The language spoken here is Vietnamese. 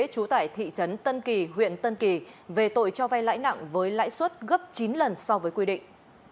trú tại thị trấn tân kỳ huyện tân kỳ về tội cho vay lãi nặng với lãi suất gấp chín lần so với quy định